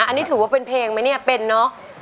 อันนี้ถือว่าเป็นเพลงไหมเนี่ยเป็นเนอะ